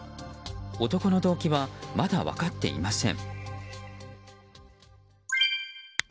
男の動機はまだ分かっていません。